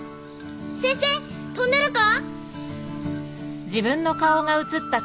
先生飛んでるか。